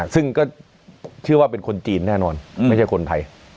ซึ่งก็เชื่อว่าเป็นคนจีนแน่นอนไม่ใช่คนไทย